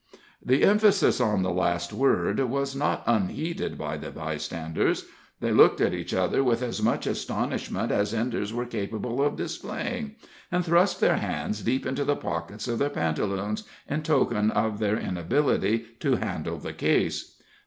The emphasis on the last word was not unheeded by the bystanders; they looked at each other with as much astonishment as Enders were capable of displaying, and thrust their hands deep into the pockets of their pantaloons, in token of their inability to handle the case.